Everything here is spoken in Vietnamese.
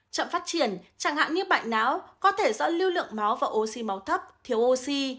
chậm phát triển chẳng hạn như bệnh não có thể do lưu lượng máu và oxy máu thấp thiếu oxy